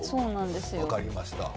分かりました。